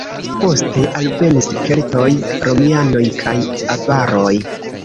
Poste alvenis keltoj, romianoj kaj avaroj.